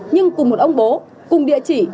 nhưng cùng một ông bố cùng địa chỉ